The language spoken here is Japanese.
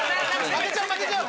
負けちゃう負けちゃう！